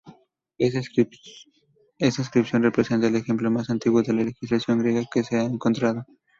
Esta inscripción representa el ejemplo más antiguo de legislación griega que se ha encontrado.